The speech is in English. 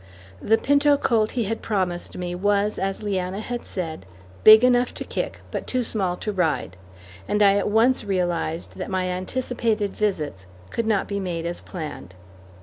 The pinto colt he had promised me was, as Leanna had said, "big enough to kick, but too small to ride," and I at once realized that my anticipated visits could not be made as planned.